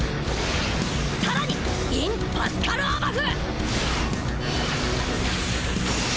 更にインパスカルアバフ！